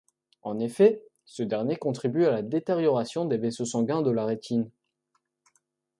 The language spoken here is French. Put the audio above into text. En effet ce dernier contribue à la détérioration des vaisseaux sanguins de la rétine.